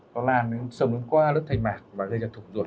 nó lan đến sông đến qua lớp thầy mạc và gây ra thủng ruột